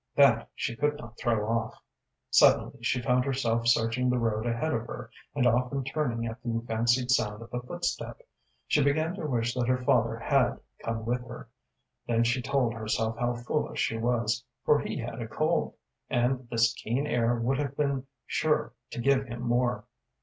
That she could not throw off. Suddenly she found herself searching the road ahead of her, and often turning at the fancied sound of a footstep. She began to wish that her father had come with her; then she told herself how foolish she was, for he had a cold, and this keen air would have been sure to give him more.